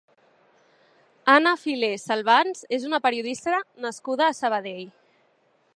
Anna Filé Salvans és una periodista nascuda a Sabadell.